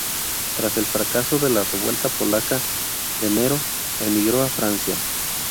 Tras el fracaso de la Revuelta polaca de enero, emigró a Francia.